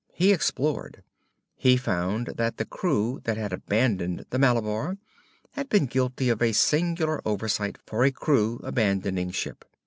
He explored. He found that the crew that had abandoned the Malabar had been guilty of a singular oversight for a crew abandoning ship.